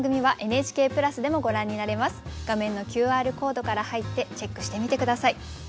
画面のＱＲコードから入ってチェックしてみて下さい。